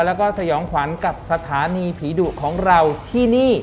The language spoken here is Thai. แล้วก็สยองขวัญกับสถานีผีดุของเราที่นี่